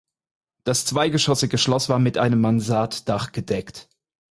Das zweigeschossige Schloss war mit einem Mansarddach gedeckt.